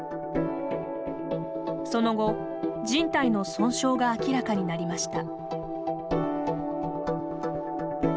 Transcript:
その後じん帯の損傷が明らかになりました。